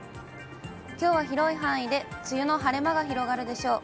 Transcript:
きょうは広い範囲で梅雨の晴れ間が広がるでしょう。